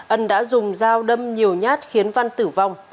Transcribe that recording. ân đã dùng dao đâm nhiều nhát khiến văn tử vong